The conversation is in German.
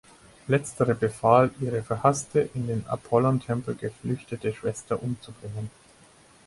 Letztere befahl, ihre verhasste, in den Apollontempel geflüchtete Schwester umzubringen.